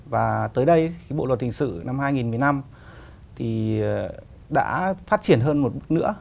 và tới đây bộ luật hình sự năm hai nghìn một mươi năm thì đã phát triển hơn một bước nữa